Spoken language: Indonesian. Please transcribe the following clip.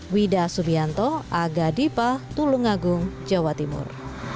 wida subianto aga dipa tulungagung jawa timur